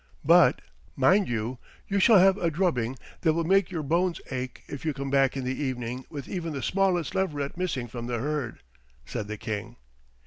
"But, mind you, you shall have a drubbing that will make your bones ache if you come back in the evening with even the smallest leveret missing from the herd," said the King.